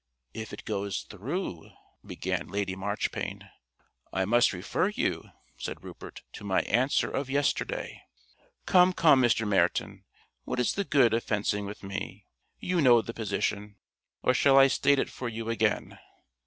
"If it goes through," began Lady Marchpane "I must refer you," said Rupert, "to my answer of yesterday." "Come, come, Mr. Meryton, what is the good of fencing with me? You know the position. Or shall I state it for you again?"